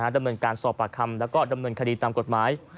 ดำเนินการสอบปากคำแล้วก็ดำเนินคดีตามกฎหมาย